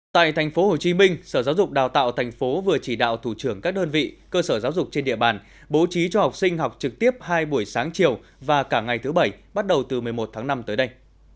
tại tp hcm sở giáo dục đào tạo thành phố vừa chỉ đạo thủ trưởng các đơn vị cơ sở giáo dục trên địa bàn bố trí cho học sinh học trực tiếp hai buổi sáng chiều và cả ngày thứ bảy bắt đầu từ một mươi một tháng năm tới đây